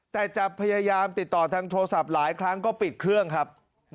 แต่จะพยายามติดต่อทางโทรศัพท์หลายครั้งก็ปิดเครื่องครับ